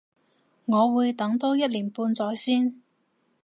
我會等多一年半載先